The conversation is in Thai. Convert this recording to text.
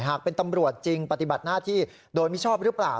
หากเป็นตำรวจจริงปฏิบัติหน้าที่โดยมิชอบหรือเปล่า